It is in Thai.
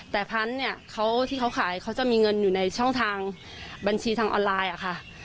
แต่พันธุ์เนี่ยเขาที่เขาขายเขาจะมีเงินอยู่ในช่องทางบัญชีทางออนไลน์อะค่ะ